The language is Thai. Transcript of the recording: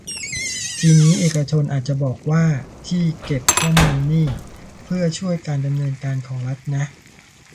ทีนี้เอกชนอาจจะบอกว่า ที่เก็บข้อมูลนี่เพื่อช่วยการดำเนินการของรัฐนะ